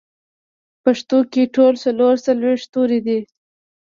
پښتو کې ټول څلور څلوېښت توري دي